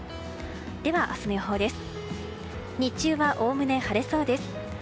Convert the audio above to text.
では明日の予報です。